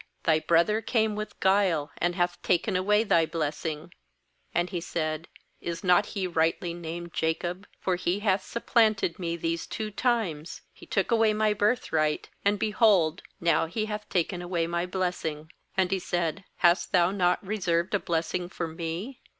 'Thy brother came with guile, and hath taken away thy blessing.' 36And he said: 'Is not he rightly named 32 GENESIS 28.0 Jacob? for he hath supplanted me these two times: he took away my birthright; and, behold, now he hath taken away my blessing/ And he said: 'Hast thou not reserved a bless ing for me?'